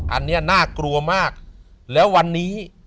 อันนี้น่ากลัวมากแล้ววันนี้